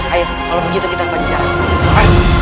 ayo kalau begitu kita ke bajisara